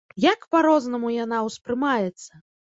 Як па-рознаму яна ўспрымаецца!